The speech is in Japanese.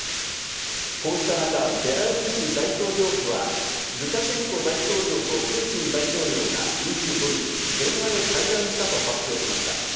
こうした中、ベラルーシ大統領府は、ルカシェンコ大統領とプーチン大統領が２５日、電話で会談したと発表しました。